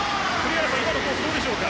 今のはどうでしょうか。